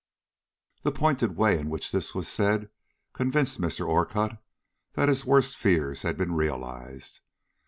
The pointed way in which this was said convinced Mr. Orcutt that his worst fears had been realized.